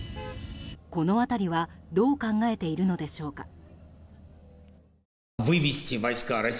この辺りはどう考えているのでしょうか。